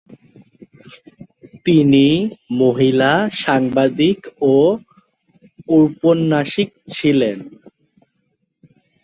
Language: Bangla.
তিনি মহিলা সাংবাদিক ও ঔপন্যাসিক ছিলেন।